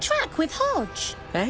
えっ？